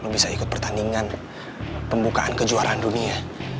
bisa ikut pertandingan pembukaan kejuaraan dunia